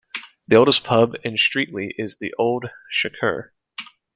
The oldest pub in Streatley is the Old Chequer.